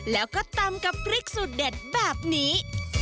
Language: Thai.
แล้วก็ตำกับพริกสูตรเด็ดแบบนี้